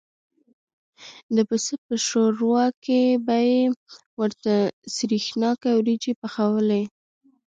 د پسه په شوروا کې به یې ورته سرېښناکه وریجې پخوالې.